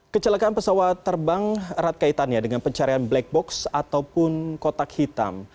kecelakaan pesawat terbang erat kaitannya dengan pencarian black box ataupun kotak hitam